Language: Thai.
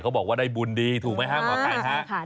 เขาบอกว่าได้บุญดีถูกไหมครับของใครครับ